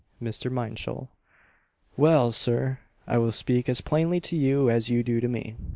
Mr. Minshull "Well, Sir, I will speak as plainly to you as you do to me.